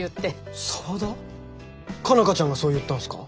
佳奈花ちゃんがそう言ったんすか？